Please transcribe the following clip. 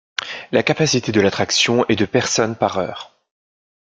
La capacité de l'attraction est de personnes par heure.